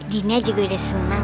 dina juga udah senang